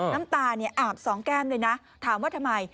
น้ำตาเนี่ยอาบสองแก้มเลยนะถามว่าทำไม